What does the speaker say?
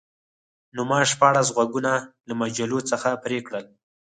نو ما شپاړس غوږونه له مجلو څخه پرې کړل